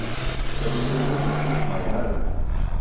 D amennuɣ ur yettwafham ara